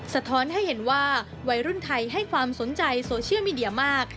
สะท้อนให้เห็นว่าวัยรุ่นไทยให้ความสนใจโซเชียลมีเดียมาก